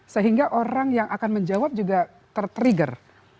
sehingga orang yang akan menjawab juga tertrigger